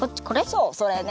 そうそれね。